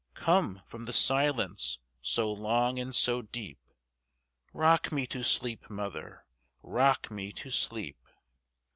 Come from the silence so long and so deep;—Rock me to sleep, mother,—rock me to sleep!